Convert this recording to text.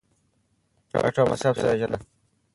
ګټه او مصرف سره جلا کړه.